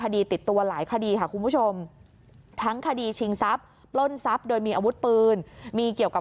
โดยมีอาวุธปืนมีเกี่ยวกับ